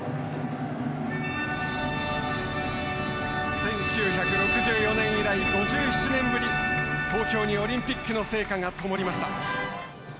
１９６４年以来５７年ぶりに、東京にオリンピックの聖火がともりました。